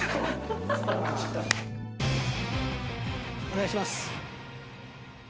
お願いします。